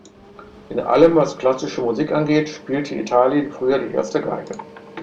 In allem, was klassische Musik angeht, spielte Italien früher die erste Geige.